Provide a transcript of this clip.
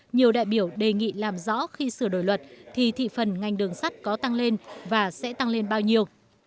nhiều đại biểu đề nghị làm rõ khi sửa đổi luật thì thị phần ngành đường sắt có tăng lên và sẽ tăng lên bao nhiêu